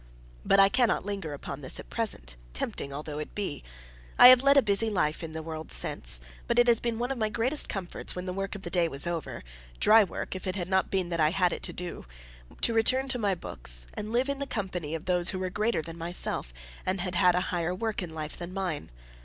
But I cannot linger upon this at present, tempting although it be. I have led a busy life in the world since, but it has been one of my greatest comforts when the work of the day was over dry work if it had not been that I had it to do to return to my books, and live in the company of those who were greater than myself, and had had a higher work in life than mine.